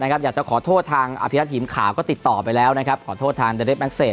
อยากจะขอโทษทางอภิรัติหิมขาวก็ติดต่อไปแล้วนะครับขอโทษทางเดริสแม็กเซต